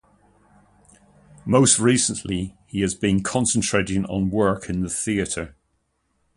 More recently, he has been concentrating on work in the theatre.